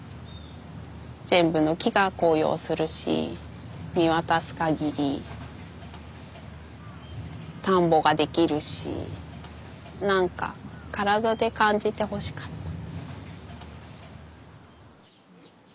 全部の木が紅葉するし見渡す限り田んぼができるし何か体で感じてほしかった。